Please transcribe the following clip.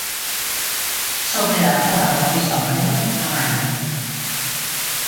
Só queda fóra do aviso amarelo A Mariña.